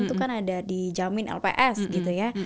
itu kan ada dijamin lps gitu ya